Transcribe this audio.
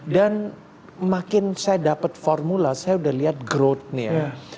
makin saya dapat formula saya udah lihat growth nya